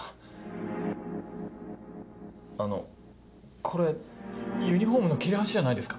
あのこれユニホームの切れ端じゃないですか？